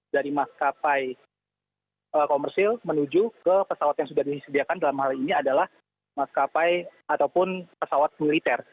dari maskapai komersil menuju ke pesawat yang sudah disediakan dalam hal ini adalah maskapai ataupun pesawat militer